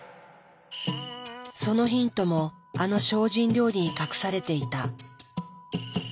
そのヒントもあの精進料理に隠されていた。